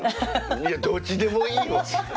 いやどっちでもいいわ。